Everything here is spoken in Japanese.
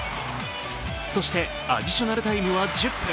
そしてアディショナルタイムは１０分。